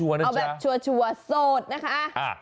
เอาแบบชัวร์โสดนะคะ